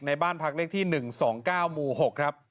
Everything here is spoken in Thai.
บ้านพักเลขที่๑๒๙หมู่๖ครับ